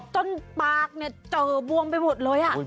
จนปากเจอบวมไปหมดเลย